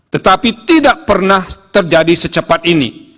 tetapi tidak pernah terjadi secepat ini